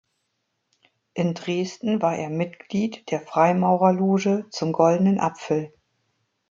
In Dresden war er Mitglied der Freimaurerloge „Zum goldenen Apfel“.